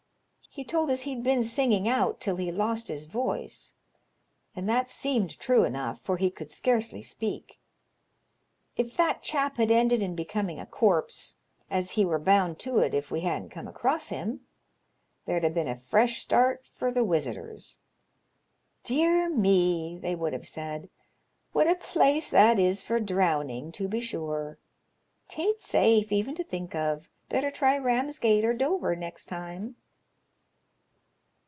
He told us he'd been singing out till he lost his voice, and that seemed true enough, for he could scarcely speak. If that chap had ended in becoming a corpse — as he wur bound to it if we hadn't come across him — there'd ha' been a fresh start for the wisitors. ' Dear me !' they would have said, * what a place that is for drowning, to be sure! 'Taint safe even to think of. Better try Ramsgate or Dover next time.'